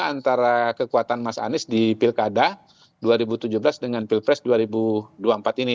antara kekuatan mas anies di pilkada dua ribu tujuh belas dengan pilpres dua ribu dua puluh empat ini